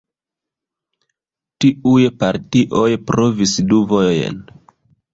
Tiuj partioj provis du vojojn.